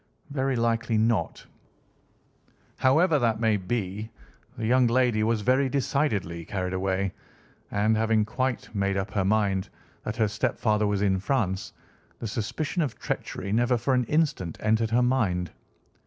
"Very likely not. However that may be, the young lady was very decidedly carried away, and, having quite made up her mind that her stepfather was in France, the suspicion of treachery never for an instant entered her mind.